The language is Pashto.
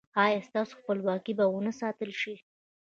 ایا ستاسو خپلواکي به و نه ساتل شي؟